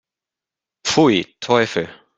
Pfui, Teufel!